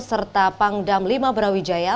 serta pangdam lima brawijaya